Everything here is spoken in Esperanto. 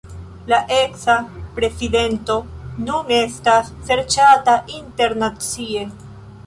La eksa prezidento nun estas serĉata internacie.